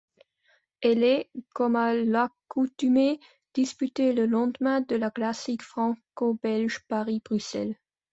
Elle est, comme à l'accoutumée, disputée le lendemain de la classique franco-belge Paris-Bruxelles.